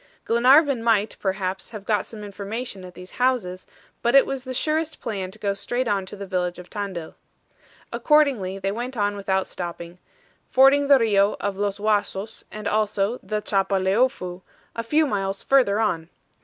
Glenarvan might, perhaps, have got some information at these houses, but it was the surest plan to go straight on to the village of Tandil. Accordingly they went on without stopping, fording the RIO of Los Huasos and also the Chapaleofu, a few miles further on.